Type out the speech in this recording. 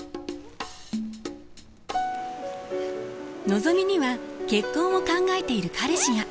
のぞみには結婚を考えている彼氏が。